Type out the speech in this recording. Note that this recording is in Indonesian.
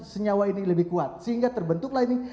senyawa ini lebih kuat sehingga terbentuklah ini